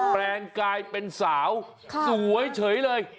แปลงกายเป็นสาวสวยเฉยเลย